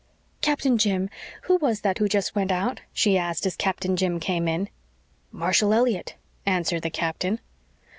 "Captain Jim, who was that who just went out?" she asked, as Captain Jim came in. "Marshall Elliott," answered the captain.